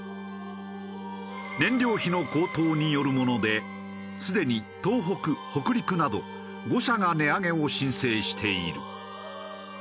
燃料費の高騰によるものですでに東北北陸など５社が値上げを申請している。